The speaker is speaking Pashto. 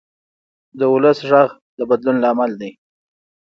د ولس غږ د بدلون لامل دی